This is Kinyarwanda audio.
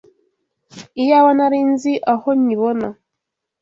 Iyaba nari nzi aho nyibona